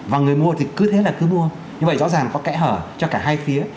và người mua thì cứ thế là cứ mua như vậy rõ ràng có kẽ hở cho cả hai phía